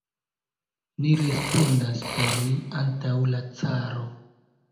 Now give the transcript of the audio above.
Ni respondas por li antaŭ la caro.